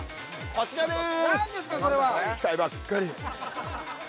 こちらです。